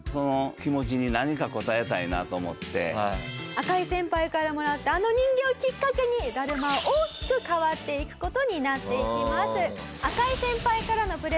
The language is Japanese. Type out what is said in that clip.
赤井先輩からもらったあの人形をきっかけにだるまは大きく変わっていく事になっていきます。